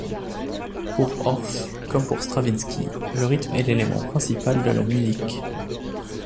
Pour Orff comme pour Stravinsky, le rythme est l'élément principal de la musique.